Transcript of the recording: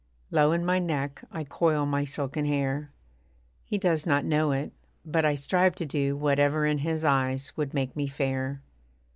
Low in my neck I coil my silken hair. He does not know it, but I strive to do Whatever in his eyes would make me fair.